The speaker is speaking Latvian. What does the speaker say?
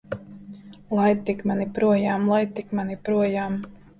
Laid tik mani projām! Laid tik mani projām!